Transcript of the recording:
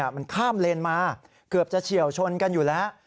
มันข้ามเลนมาเกือบจะเฉียวชนกันอยู่แล้ว